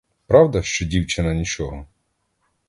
Правда, що дівчина нічого?